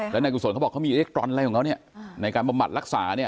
แล้วนายกุศลเขาบอกเขามีเอ็กตรอนอะไรของเขาเนี่ยในการบำบัดรักษาเนี่ย